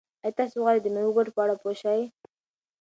آیا تاسو غواړئ چې د مېوو د ګټو په اړه پوه شئ؟